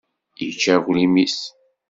Yečča aglim-is.